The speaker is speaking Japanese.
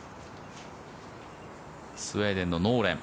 スウェーデンのノーレン。